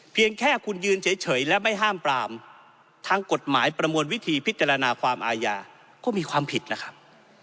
เพียงแค่คุณยืนเฉยและไม่ห้ามปรามทางกฎหมายประมวลวิธีพิจารณาความอาญาก็มีความผิดนะครับ